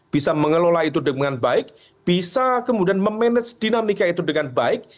bisa mengelola itu dengan baik bisa kemudian memanage dinamika itu dengan baik